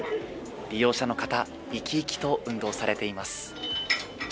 利用者の方、生き生きと運動されています。